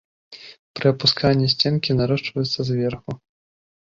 Пры апусканні сценкі нарошчваюцца зверху.